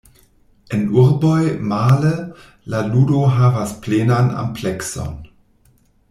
En urboj, male, la ludo havas plenan amplekson.